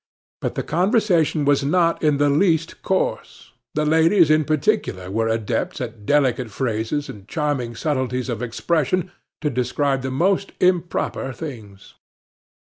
But the conversation was not in the least coarse. The ladies, in particular, were adepts at delicate phrases and charming subtleties of expression to describe the most improper things.